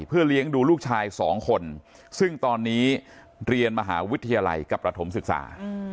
เพื่อเลี้ยงดูลูกชายสองคนซึ่งตอนนี้เรียนมหาวิทยาลัยกับประถมศึกษา